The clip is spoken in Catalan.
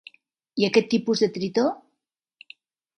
I aquest tipus de tritó?